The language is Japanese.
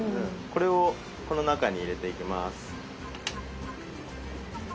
これをこの中に入れていきます。